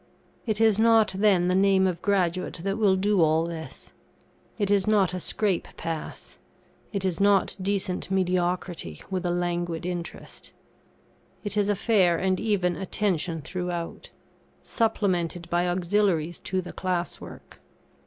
It is not, then, the name of graduate that will do all this. It is not a scrape pass; it is not decent mediocrity with a languid interest. It is a fair and even attention throughout, supplemented by auxiliaries to the class work.